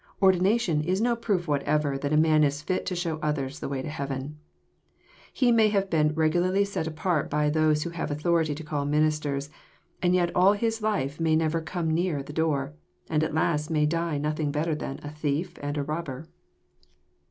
Ordination is no proof whatever that a man is fit to show others the way to heaven. He may have been regularly set apart by those who have authority to call ministers, and yet all his life may never come near the door, and at last may die nothing better than '' a thief and a robber."